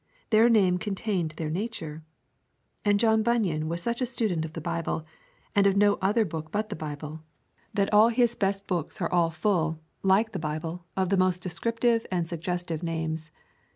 Their name contained their nature. And John Bunyan was such a student of the Bible, and of no other book but the Bible, that all his best books are all full, like the Bible, of the most descriptive and suggestive names.